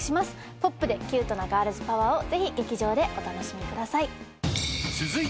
ポップでキュートなガールズパワーをぜひ劇場でお楽しみください。